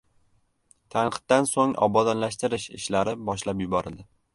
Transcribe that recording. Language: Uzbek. Tanqiddan so'ng, obodonlashtirish ishlari boshlab yuborildi.